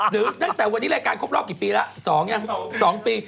ตั้งแต่วันนี้รายการครบรอบกี่ปีแล้ว๒ยัง๒ปี